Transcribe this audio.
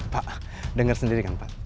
pak dengar sendiri kan pak